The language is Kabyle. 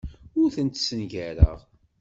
Ur tent-ssengareɣ.